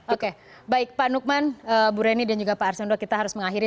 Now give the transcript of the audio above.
oke baik pak nukman bu reni dan juga pak arsendo kita harus mengakhiri